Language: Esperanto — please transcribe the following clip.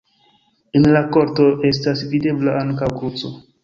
En la korto estas videbla ankaŭ kruco.